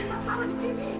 masalah di sini